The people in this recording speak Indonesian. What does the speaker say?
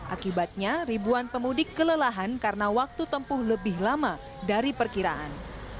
akibatnya ribuan pemudik kelelahan karena waktu tempuh lebih lama dari perkiraan